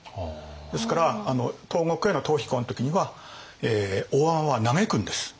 ですから東国への逃避行の時には大海人は嘆くんです。